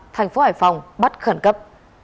thành phố hải phòng bắt khẩn cấp